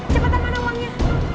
cepetan mana uangnya